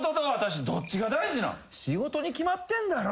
仕事に決まってんだろ。